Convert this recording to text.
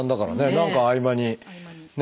何か合間にね。